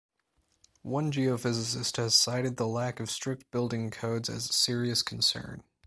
One geophysicist has cited the lack of strict building codes as a serious concern.